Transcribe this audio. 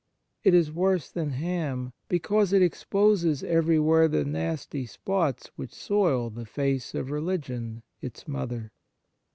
It is worse than Cham, because it exposes everywhere the nasty spots w r hich soil the face of religion its mother."